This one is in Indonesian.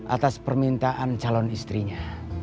atas permintaan calon istrinya